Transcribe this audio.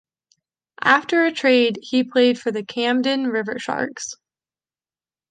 After a trade, he played for the Camden Riversharks.